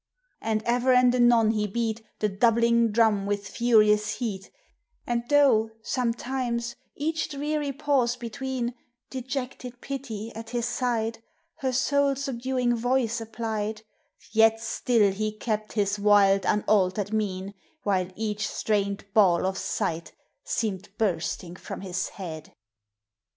And ever and anon he beat The doubling drum with furious hea< : And though, sometimes, each dreary pause between, Dejected Pity, at his side, Her soul subduing voice applied, Yet still he kept his wild, unaltered mien, While eaeli strained ball of sight seemed bursting from his head.